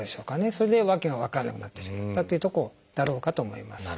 それで訳が分からなくなってしまったっていうとこだろうかと思います。